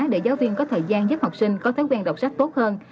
để giáo viên có thời gian giúp học sinh có thói quen đọc sách tốt hơn